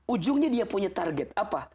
ujungnya dia punya target apa